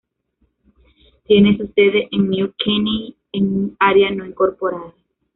Tiene su sede en New Caney, en un área no incorporada.